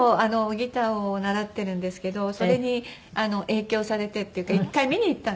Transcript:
ギターを習ってるんですけどそれに影響されてっていうか一回見に行ったんですね。